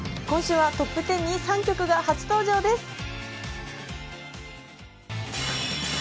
今週はトップ１０に３曲が初登場です